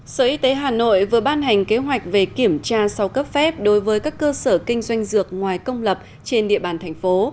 sở y tế hà nội vừa ban hành kế hoạch về kiểm tra sau cấp phép đối với các cơ sở kinh doanh dược ngoài công lập trên địa bàn thành phố